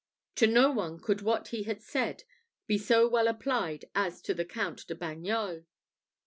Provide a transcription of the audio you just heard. To no one could what he had said be so well applied as to the Count de Bagnols.